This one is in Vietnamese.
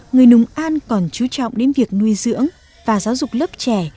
người nùng an còn chú trọng đến việc nuôi dưỡng và giáo dục lớp trẻ